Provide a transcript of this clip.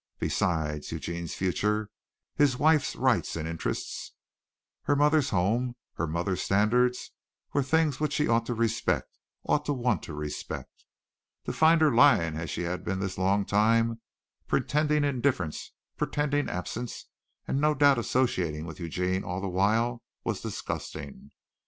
Besides, Eugene's future, his wife's rights and interests, her mother's home, her mother's standards, were things which she ought to respect ought to want to respect. To find her lying as she had been this long time, pretending indifference, pretending absence, and no doubt associating with Eugene all the while, was disgusting.